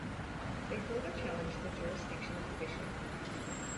They further challenged the jurisdiction of the bishop.